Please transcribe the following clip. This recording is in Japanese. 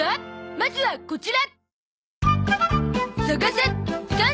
まずはこちら！